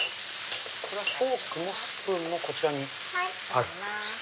フォークもスプーンもこちらにある。